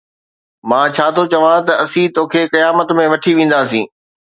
مان ڇا ٿو چوان ته ”اسين توکي قيامت ۾ وٺي وينداسين“.